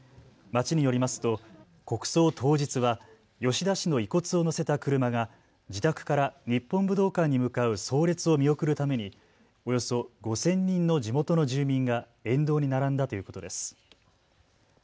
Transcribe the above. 町によりますと国葬当日は吉田氏の遺骨を乗せた車が自宅から日本武道館に向かう葬列を見送るためにおよそ５０００人の地元の住民が沿道に並んだということです。